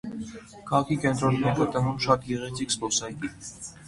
Քաղաքի կենտրոնում է գտնվում շատ գեղեցիկ զբոսայգի։